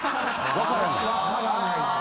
わからない。